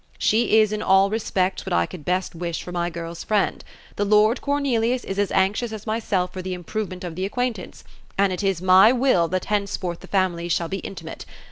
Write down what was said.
''She is in all respects what I could best wish for my girl's friend. The lord Cor* nelius is as anxious as myself for the improvement of the acquaintance ; and it is my will that henceforth the families shall be intimate.